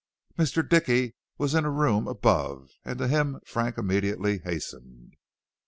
Mr. Dickey was in a room above, and to him Frank immediately hastened.